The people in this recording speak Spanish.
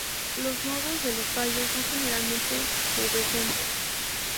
Los nodos de los tallos son generalmente pubescentes.